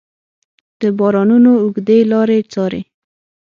د بارانونو اوږدې لارې څارې